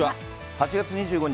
８月２５日